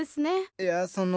いやその。